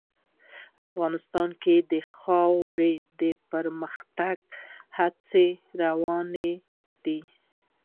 افغانستان کې د خاوره د پرمختګ هڅې روانې دي.